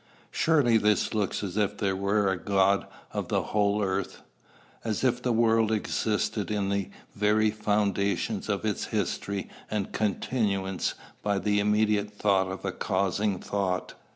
Surely this looks as if there were a God of the whole earth, as if the world existed in the very foundations of its history and continuance by the immediate thought of a causing thought.